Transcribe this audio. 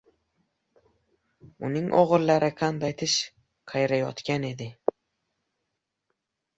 Uning o‘g‘illari qanday tish qayrayotgan edi.